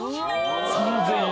３０００円